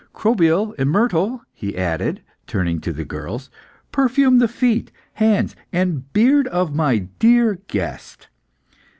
"Crobyle and Myrtale," he added, turning towards the girls, "perfume the feet, hands, and beard of my dear guest."